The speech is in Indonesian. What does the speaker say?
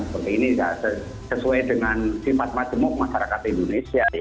seperti ini sesuai dengan sifat majemuk masyarakat indonesia